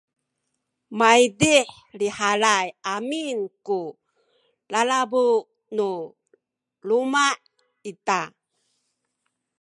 maydih lihalay amin ku lalabu nu luma’ ita